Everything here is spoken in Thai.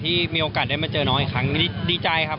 มีโอกาสได้มาเจอน้องอีกครั้งดีใจครับ